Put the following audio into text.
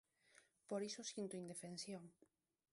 Por iso sinto indefensión.